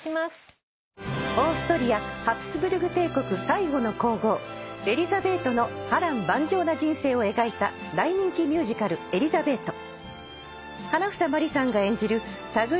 ［オーストリアハプスブルク帝国最後の皇后エリザベートの波瀾万丈な人生を描いた大人気ミュージカル『エリザベート』］